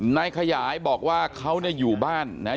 นายขยายบอกว่าเขาเนี่ยอยู่บ้านนะฮะ